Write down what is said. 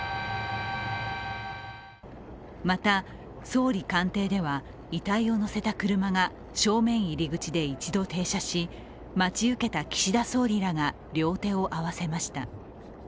また、総理官邸では遺体を乗せた車が正面入り口で一度停車し、待ち受けた岸田総理らが両手を合わせました。